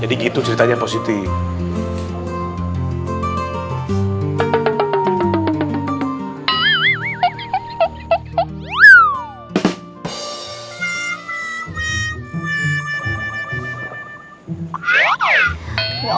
jadi gitu ceritanya positif ya